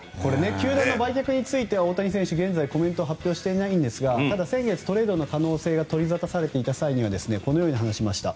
球団の売却については大谷選手は現在コメントを発表していないんですがただ、先月トレードの可能性が取り沙汰されていた際にはこのように話しました。